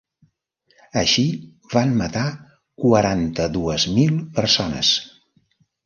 Així van matar quaranta-dues mil persones.